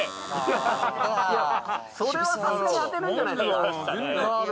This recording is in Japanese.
それはさすがに当てるんじゃないですか。